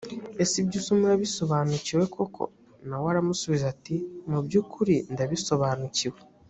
ese ibyo usoma urabisobanukiwe koko na we aramusubiza ati’’ mu byukuri ndabisobanukiwe.’’